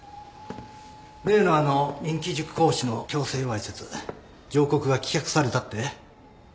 例のあの人気塾講師の強制わいせつ上告が棄却されたって？